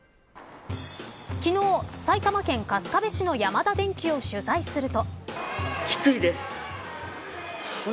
昨日、埼玉県春日部市のヤマダデンキを取材すると。